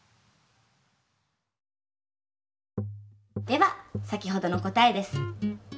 では先ほどの答えです。